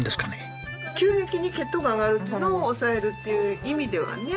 急激に血糖が上がるのを抑えるっていう意味ではね